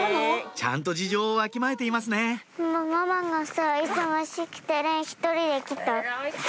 ちゃんと事情をわきまえていますね偉い！